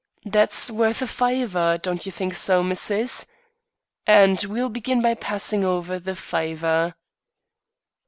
That's worth a fiver. Don't you think so, missus? And we'll begin by passing over the fiver."